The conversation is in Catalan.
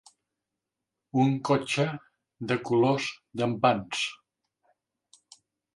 Un cotxe de colors llampants.